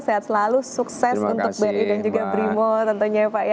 sehat selalu sukses untuk bri dan juga brimo tentunya ya pak ya